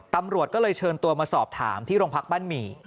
ตำรวจก็เลยเชิญตัวมาสอบถามที่โรงพักบ้านหมี่